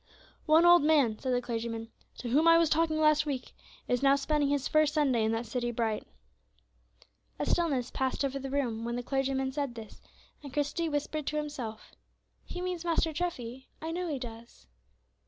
"One old man," said the clergyman, "to whom I was talking last week is now spending his first Sunday in that city bright." A stillness passed over the room when the clergyman said this, and Christie whispered to himself, "He means Master Treffy, I know he does."